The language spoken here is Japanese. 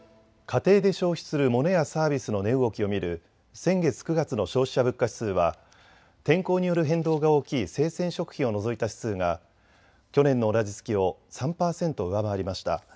家庭で消費するモノやサービスの値動きを見る先月９月の消費者物価指数は天候による変動が大きい生鮮食品を除いた指数が去年の同じ月を３％上回りました。